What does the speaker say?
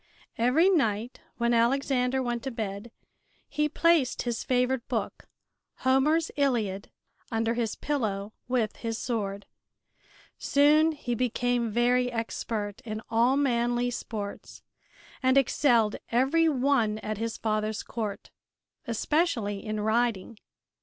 Every night when Alexander went to bed he placed his favorite book, Homer's "Iliad," under his pillow with his sword. Soon he became very expert in all manly sports and excelled every one at his father's court, especially in riding.